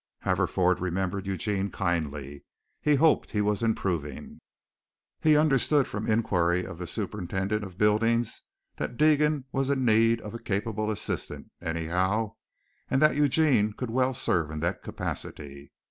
Haverford remembered Eugene kindly. He hoped he was improving. He understood from inquiry of the Superintendent of Buildings that Deegan was in need of a capable assistant, anyhow, and that Eugene could well serve in that capacity.